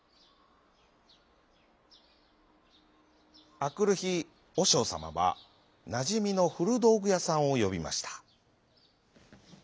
あくるひおしょうさまはなじみのふるどうぐやさんをよびました。